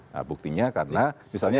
nah buktinya karena misalnya